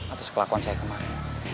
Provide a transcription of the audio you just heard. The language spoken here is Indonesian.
atas kelakuan saya kemarin